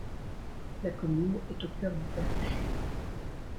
La commune est au cœur du Perche.